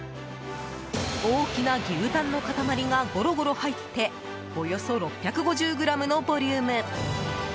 大きな牛タンの塊がゴロゴロ入っておよそ６５０ｇのボリューム。